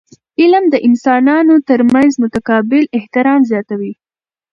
علم د انسانانو ترمنځ متقابل احترام زیاتوي.